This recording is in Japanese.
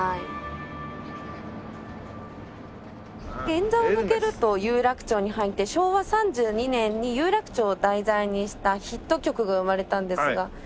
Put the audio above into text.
銀座を抜けると有楽町に入って昭和３２年に有楽町を題材にしたヒット曲が生まれたんですが。